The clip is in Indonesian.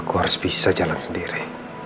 aku harus bisa jalan sendiri